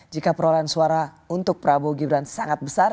jika perolehan suara untuk prabowo gibran sangat besar